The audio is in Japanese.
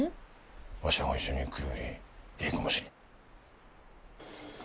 わしらが一緒に行くよりええかもしれん。